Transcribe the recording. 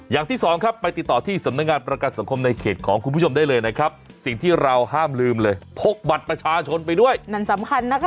อย่างที่สองครับไปติดต่อที่สำนักงานประกันสังคมในเขตของคุณผู้ชมได้เลยนะครับสิ่งที่เราห้ามลืมเลยพกบัตรประชาชนไปด้วยนั่นสำคัญนะคะ